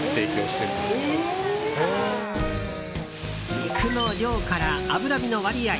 肉の量から脂身の割合